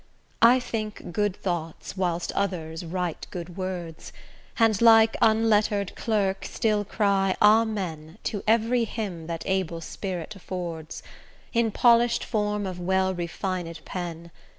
I think good thoughts, whilst others write good words, And like unlettered clerk still cry 'Amen' To every hymn that able spirit affords, In polish'd form of well refined pen.